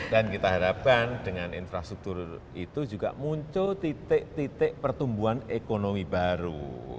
dan kita harapkan dengan infrastruktur itu juga muncul titik titik pertumbuhan ekonomi baru